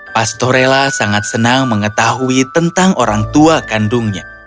pastorella sangat senang mengetahui tentang orang tua kandungnya